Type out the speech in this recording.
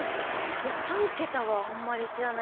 いや３桁はあんまり知らない。